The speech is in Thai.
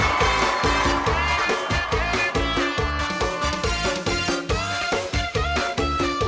อ้าว